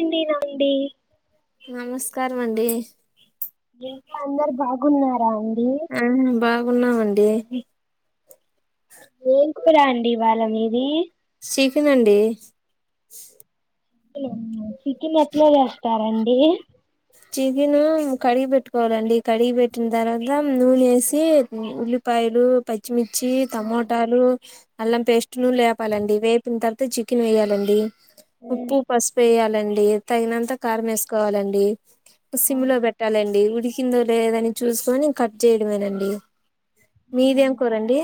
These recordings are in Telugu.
ఏంది నంది [unintelligible] మండి అందరు బాగున్నారా అండి ఆహా బాగు ఉన్నామండి ఏను కూరా అండి వాళ్ళ మీది చికెన్ అండి చకిన్ ఎట్లా చేస్తారండి చికెన్ కడిగి పెట్టుకోవాలండి కడిగి పెట్టిన తర్వాత నూనె వేసి ఉల్లిపాయ లు పచ్చిమి ఇచ్చి టమోటాలు అల్లం పేస్టులు లేపాలండి వేపిన తర్వాత చికెన్ వేయాలండి ఉప్పు పసుపు వేయాలండి తగినంత కారం వేసుకోవాలండి సిమ్ లో పెట్టాలండి ఉడికిందో లేదని చూసుకొని కట్ చేయడమేనండి మీదేం ఏం కూరండి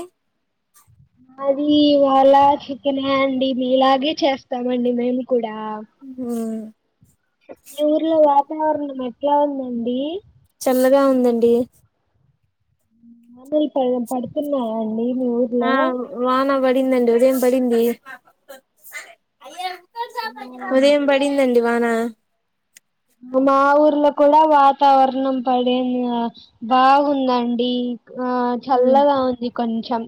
మాది ఇవాళ చికెనే అండి మీలాగే చేస్తామండి మేము ఆ మా ఊర్లో వాతావరణం ఎట్లా ఉందండి చల్లగా ఉందండి మామలు పడు పడుతున్నా మీ ఆ ఊర్లో వాన పడిందండి ఉదయం పడింది ఆ ఉదయం పడిందండి వాన మా ఊర్లో కూడా వాతావరణం పడంది బాగుందండి ఆ చల్లగా ఉంది కొంచం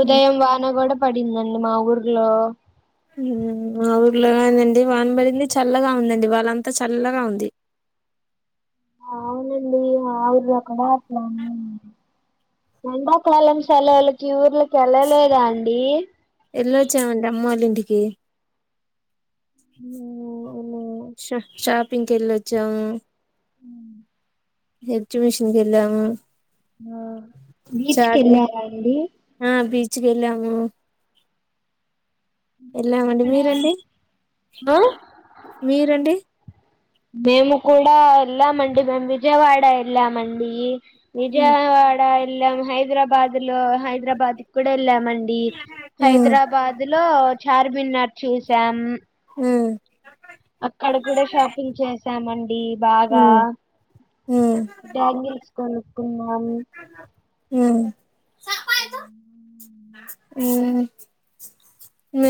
ఉదయం వాన కూడా పడిందండి మా ఊర్లో ఆ ఊర్లోగాందండి వానబడింది చల్లగా ఉందండి వాళ్ళంతా చల్లగా ఉంది అవునండి ఆఊర్లో కూడాడ ఆట్లా ఎడాకాలం సెలవులకి ఊర్లకి వెళ్ళలేదా అండి వెళ్ళొచ్చామండి [unintelligible] న [unintelligible] పింక వెళ్ళొచ్చాం [unintelligible] హెచ్చ మిషన్ క వెళము ఆ బీచ్ కి వెళ్ళామా అండి వ వెళ్ళ వెళ్ళమండి మీరండి ఆ మీరండి మేము కూడాడా ఎళ్లామండి మేము విజయవాడ ఎళ్లామండి విజయవాడ వెళ్ళాం హైదరాబాద్ లో హైదరాబాద్ కూడా వెళ్ళామండి ఉమ్ ఉమ్ హైదరాబాద్ లో చార్మినార్ చూసాం అక్కడ కూడా షాపింగ్ చేసామండి బాగా ఉమ్ ఉమ్ బ్యాంగిల్స్ కొనుకున్నా ఉమ్ [inaudible] ఉమ్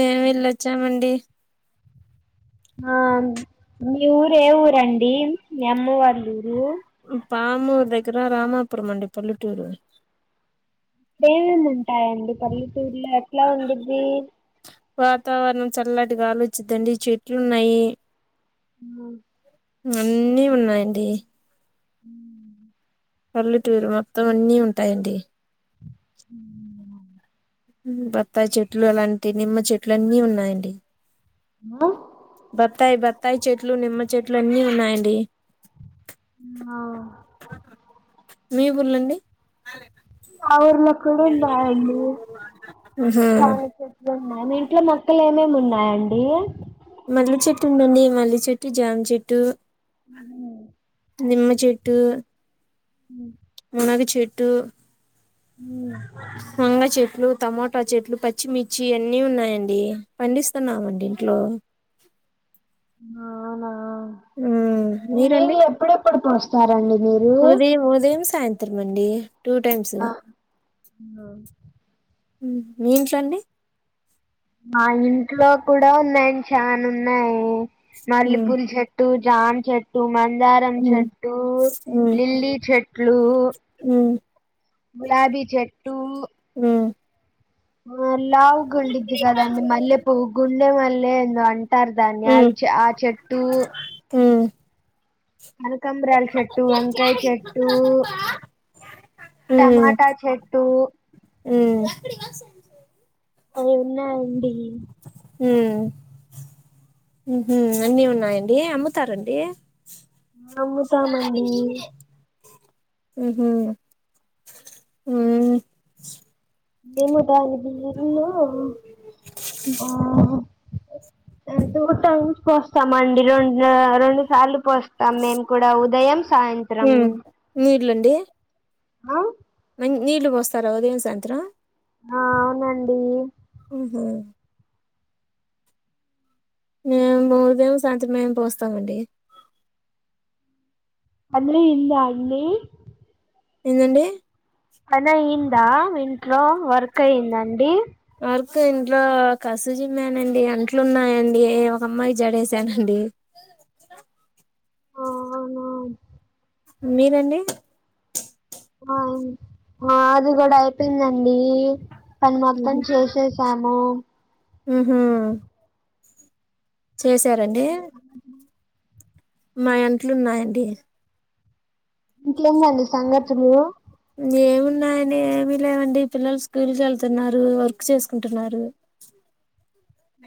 మేము వెళ్ళొచ్చామండి ఆ మీ ఊరే ఊరండి అమ్మ వాల్ళూరు పామూ దగ్గర రామాపురం అండి పల్టూరు ఇమేమి ఉంటాయండి పల్లెతూరులో ఎట్లా ఉండడిది వాతావరణం చల్లటి గాలోచిద్దండి చెట్లున్నాయి హ అన్నిఉన్నాయండి అ [unintelligible] పల్లెటూరు మొత్తం అన్నీ ఉంటాయండి [inaudible] బత్తాయి చెట్లు అలాంటి నిమ్మ చెట్లు అన్ని ఉన్నాయండి ఆ బత్తాయి బత్తాయి చెట్లు నిమ్మ చెట్లు అన్నీ ఉన్నాయండి మీ ఊర్లండి ఆ ఊర్లో కూడా ఉందా అండి ఎ చానా చెట్లు ఉన్నాయి మీ ఇంట్లో మొక్కలు ఏమేమి ఉన్నాయండీ త్తునుండి మల్లె చెట్టు జామ చెట్టు ఏమో నిమ్మ చెట్టు మ్ మర్రి చెట్టు ఉమ్ వంగ చెట్లు టమోటా చెట్లు పచ్చిమిర్చి అన్ని ఉన్నాయండి పండిస్తున్నామండి ఇంట్లో [inaudible] అవునా మ్మ్ మీరండి నీళ్లు ఎప్పుడెప్పుడు పోస్తారండి మీరు తిరమండి టూ టైమ్స్ ఇంగా మీ ఇంట్లో అండి మా ఇంట్లో కూడా ఉన్నాయి అండి చానా ఉన్నాయి ఉమ్ మల్లెపూలు చెట్టు జాన్ చెట్టు మం దారం ఉమ్ చెట్టు ఉమ్ లిల్లీ చెట్లు ఉమ్ గులాబీ చెట్టు ఉమ్ లావు గుండిద్ది కద అండి మల్లె ప్వువు గుండె మల్లె ఎందో అంటారు దాన్ని ఉమ్ అది చ ఆ చెట్టు ఉమ్ కనకాంబ్రాలు చెట్టు వంకాయ చెట్టు [inaudible] టమాటా చెట్టు మ్మ్ అయ్యి ఉన్నాయండి మ్ హు అన్ని ఉన్నాయండి అమ్ముతారండి అమ్ముతామండి మ్ హు హ్మ్ ఏమో దాని బిఎన్లో ఆ.. ఎంతో టైమ్కి వస్ స్తామండి రెండు రెండు సార్లు పోస్తాం మేము కూడా ఉదయం సాయంత్రం నీళ్ళు అండి ఆ నీళ్లు పోస్తార ఉదయం సాయంత్రం ఆ అవునండి మ్ హు మేము ఉదయం సాయంత్రమే పోస్తామండి పని అయిందా అండి ఏందండి పని అయిందా ఇంట్లో వర్క్ అయింద అండి క ఇంట్లో కస్సు జిమ్మానండి అంట్లు ఉన్నాయండి ఒక అమ్మాయి జడేసానండి ఆ అవునా మీరండి ఆ మాది కూడా అయిపోయిందండి పని మొత్తం చేసేశాము మ్ హు చేసారండి మా అంట్లు ఉన్నాయండి ఇంకేమి అండి సంగతులు ఏమున్నాయ [unintelligible] ఏమి లేవండి పిల్లలు స్కూల్ వెళ్తున్నారు వర్క్ చేసుకుంటున్నారు అ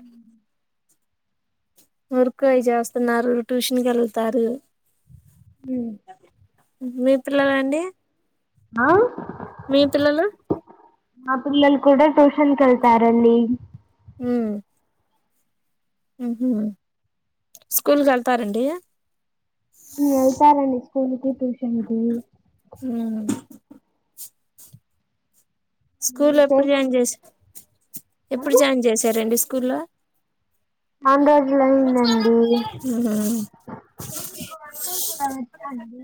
వర్క్ అవి చేస్తున్నారు ట్యూషన్ కి వెళ్తారు మీ పిల్లలండి ఆ మీ పిల్లలు మా పిల్లలు కూడా ట్యూషన్ కెల్తారండి అ స్కూల్కి వెళ్తారండి వెళ్తారండి స్కూల్కి ట్యూషన్ కి ఉమ్ స్కూల్ ఎప్పుడు జాయిన్ చేస ఎప్పుడు జాయిన్ చేసారండి స్కూల్లో చానా రోజులు అయిందండి అ వంకాయ కూర వచ్చా అండి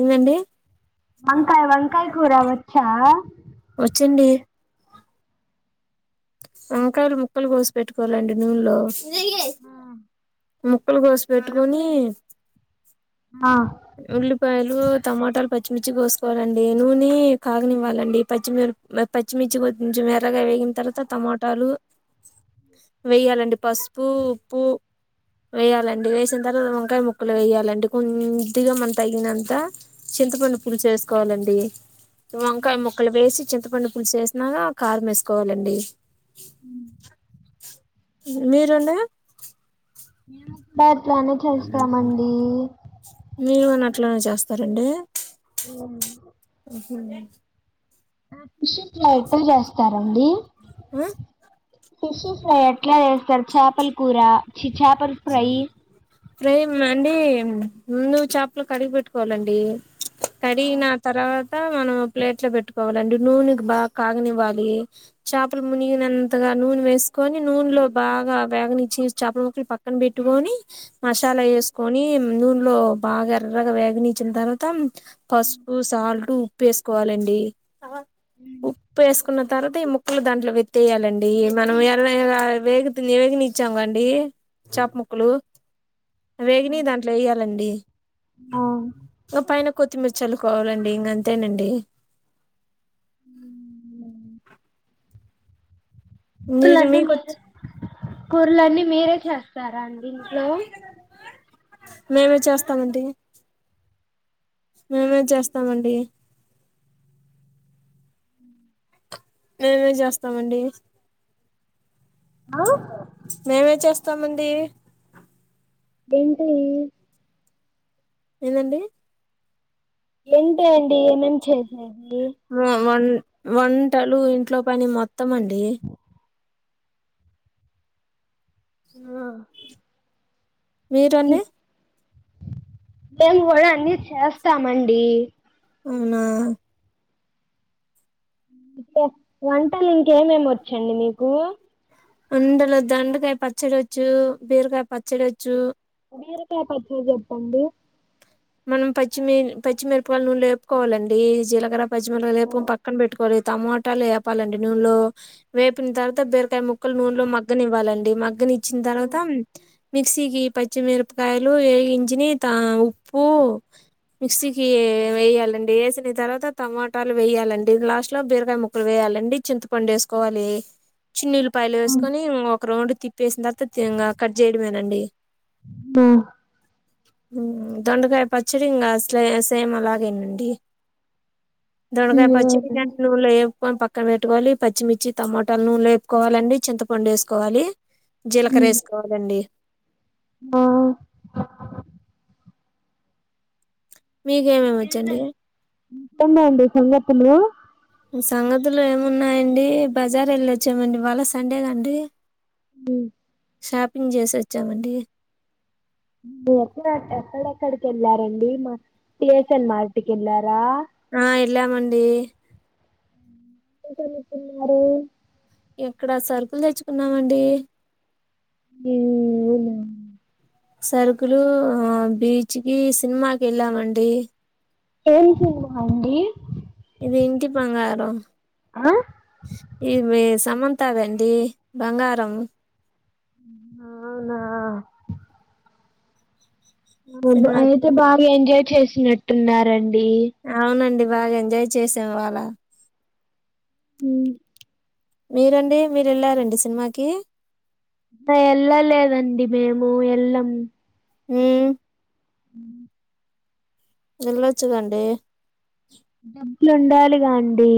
ఎందండి వంకాయ వంకాయ కూర వచ్చా వచ్చండి వంకాయలు ముక్కలు కోసి పెట్టుకోవాలండి నూన్లో ఆ ముక్కలు కోసి పెట్టుకొని ఆ ఉల్లిపాయలు టమోటాలు పచ్చిమిర్చి కోసుకోవాలండి నూనె కాగనివ్వాలండి పచ్చిమిర్ పచ్చిమిర్చి కొంచెం ఎర్రగా వేగిన తర్వాత టమోటాలు వెయ్యాలండి పసుపు ఉప్పు వేయాలండి వేసిన తర్వాత వంకాయ ముక్కలు వేయాలండి కొంచెం కొద్దిగా మనం తగినంత చింతపండు పులుసు వేసుకోవాలండి వంకాయ ముక్కలు వేసి చింతపండు పులుసు వేసినాక కారం వేసుకోవాలండి అ మీరండి మేము కూడా ఇట్లానే చేస్తామండి మీరు [unintelligible] అట్లనే చేస్తారండి ఆ సడి [unintelligible] చేస్తారండి ఆ ఫిష్ ఫ్రై ఎట్ల చేస్తారు చాపల్ కూర చి చాపల్ ఫ్రై ఫ్రై అండి ముందు చేపలు కడిగి పెట్టుకోవాలండి ఆ కడిగిన తర [unintelligible] ప్లేట్ లో పెట్టుకోవాలండి నూనెకి బాగా కాగనివ్వాలి చేపలు మునిగినంతగా నూన వేసుకొని నూన్లో బాగా వేగని ఇచ్చి చేపల ముక్కలు పక్కన పెట్టుకొని మసాలా వేసుకొని నూనెలో బాగా ఎర్రగా వేగనీచ్చిన తర్వాత పసుపు సాల్ట్ ఉప్పు వేసుకోవాలండి ఉప్పు వేసుకున్న తర్వాత ఈ ముక్కలు దాంట్లో వితేయాలండి మనం ఎలా [unintelligible] వేగనిఇచ్చాం కండి చప ముక్కలు వేగినీ దాంట్లో వేయ్యాలండి ఒక పైన కొత్తిమీర చల్లుకోవాలండి ఇంక అంతేనండి [inaudible] మీరు కూరలన్నీ మీకు మీరే కూరలన్నీ మీరే చేస్తార అండి ఇంట్లో మేమే చేస్తామండి మేమే చేస్తామండి మేమే చేస్తామండి ఆ మేమే చేస్తామండి ఏంటి ఏమండి ఏంటే అండి ఏమేం చేసేది వంటలు ఇంట్లో పని మొత్తం అండి ఆ స మేము కూడ అన్నీ చేస్తామండి అవునా వంటలు ఇంకేమేమి వచ్చండి మీకు అందులో దొండకాయ పచ్చడోచ్చు బీరకాయ పచ్చడోచ్చు బీరకాయ పచ్చడి చెప్పండి మనం పచ్చిమిరపకాయలు నూనెలో వేపుకోవాలండి జీలకర పచ్చిమిరపకాయ ఆ వేపి పక్కన పెట్టాలి టమాటాలు వేపాలండి నూనెలో వేపిన తర్వాత బీరకాయ ముక్కలు నూనెలో మగ్గనివ్వాలండి మగ్గనిచ్చి ఆ తర్వాత మిక్సీకి పచ్చిమిరపకాయలు వేగించినని ఉప్పు మిక్సీకి వేయాలండి వేసిన తర్వాత టమాటాలు వేయాలండి లాస్ట్ లో బీరకాయ ముక్కలు వేయాలండి చింతపండు వేసుకోవాలి చిన్నీఉల్లిపాయలు వేసుకొని ఒక రౌండ్ తిప్పేసిన తర్వాత కట్ చేయడమేనండి ఆ దొండకాయ పచ్చడి ఇంకా సేమ్ అలాగేనండి దొండకాయ పచ్చడి ఉమ్ నూనెలో వెంపి పక్కన పెట్టుకోవాలి పచ్చిమిర్చి టమాట నూనెలో వేపుకోవాలండి చింతపండు ఎసుకోవాలి జీలకర వేసుకావాలండి ఆ మీకేమేమి వచ్చండి ఇంకేమండి సంగతులు సంగతులు ఏమున్నాయండి బజార్ వెళ్ళిొచ్చామండి ఇవాళ్ళ సండేగాండి మ్మ్ హ్ షాపింగ్ చేసి వచ్చామండి ఎక్కడెక్కడికి వెళ్లారండి మా పిఎస్ఎన్ మార్టీకి వెళ్ళారా ఆ ఎల్లమండి ఏటేళ్తున్నారు ఇక్కడ సరుకులు తెచ్చుకున్నామండి అవునా సరుకులు బీచ్ కి సినిమాకి వెళ్ళామండి ఏం సినిమా అండి మా ఇంటి బంగారం ఆ అదే సమంత వత్తావేంటి బంగారం అవునా సినిమా అయితే బాగా ఎంజాయ్ చేసినట్టున్నారండి అవునండి బాగా ఎంజాయ్ చేసాం ఇవాళ మ్మ్ మీరండి మీరు వెళ్ళారండి సినిమాకి ఎళ్ళలేదండి మేము ఎల్లం మ్మ్ హ్ హ్హ్ వెళ్లొచ్చు గా అండి డబ్బులు ఉండాలిగా అండి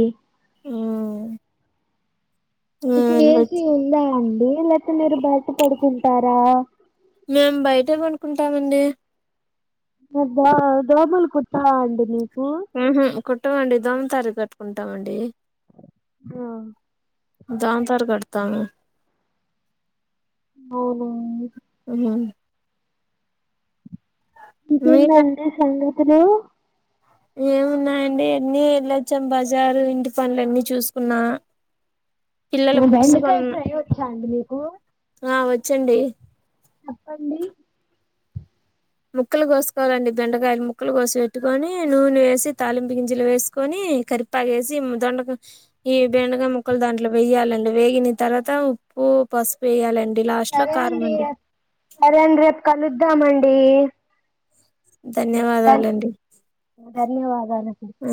ఆ మీకు ఏసీ ఉందా అండి లేకపోతే మీరు బయట పడుకుంటారా మేము బయటే పండుకుంటామండి అబ్బా దోమలు కుట్టవా అండి మీకు హు హుమ్ కొట్టవండి దోమ తారీఖు కట్టుకుంటామండి. ఆ దోమ తెర కడ్తాము అవునా మీరు ఇంకేదండి సంగతులు ఏమున్నాయండి అన్ని వెళ్ళొచ్చాం బజారు ఇంటి పనులున్ని చూసుకున్నా పిల్లల బుక్స్ బెండకాయ కొన్ ఫ్రై వచ్చా అండి మీకు ఆ వచ్చండి చెప్పండి ముక్కలు కోసుకోవాలండి బెండకాయలు ముక్కలు కోసి పెట్టుకొని నూనె వేసి తాలింపు గింజలు వేసుకొని కరిపాకు ఏసి దొండకాయ ఈ బెండకాయ ముక్కలు దాంట్లో వేయ్యాలండి వేగిన తర్వాత ఉప్పు పసుపు వేయాలం సరే అండి సరే అండి రేపు కలుద్దామండి. ధన్ ధన్యవాదాలండి ధన్యవాదాలండి ఆ